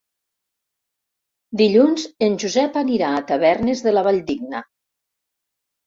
Dilluns en Josep anirà a Tavernes de la Valldigna.